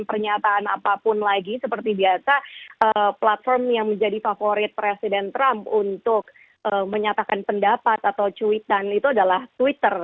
dan pernyataan apapun lagi seperti biasa platform yang menjadi favorit president trump untuk menyatakan pendapat atau cuitan itu adalah twitter